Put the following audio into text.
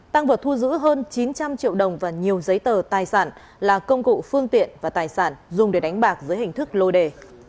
tăng vật thu giữ hơn chín trăm linh triệu đồng và nhiều giấy tờ tài sản là công cụ phương tiện và tài sản dùng để đánh bạc dưới hình thức lô đề